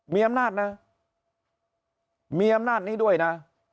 มีอำนาจนะมีอำนาจนี้ด้วยนะ